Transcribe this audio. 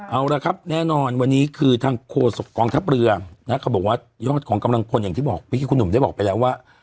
เอาละครับแน่นอนวันนี้คือทางโฆษกองทัพเรือนะเขาบอกว่ายอดของกำลังพลอย่างที่บอกเมื่อกี้คุณหนุ่มได้บอกไปแล้วว่า